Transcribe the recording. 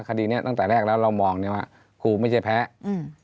คดีเนี้ยตั้งแต่แรกแล้วเรามองเนี้ยว่าครูไม่ใช่แพ้อืม